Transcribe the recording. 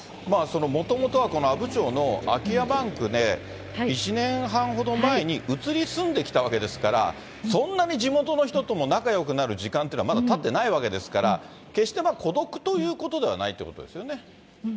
そのもともとはこの阿武町の空き家バンクで、１年半ほど前に移り住んできたわけですから、そんなに地元の人とも仲よくなる時間っていうのは、まだたってないわけですから、決して孤独ということではないということですよね。